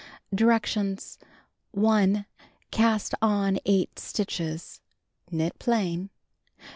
Directions : L Cast on 8 stitches. Knit plain.